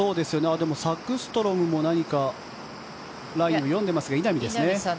でも、サグストロムも何かラインを読んでいますが稲見ですね。